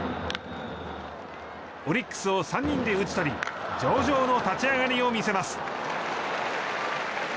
オリックスを３人で打ち取り上々の立ち上がりを見せます。